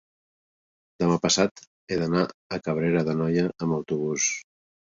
demà passat he d'anar a Cabrera d'Anoia amb autobús.